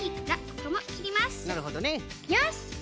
なるほどね。よし！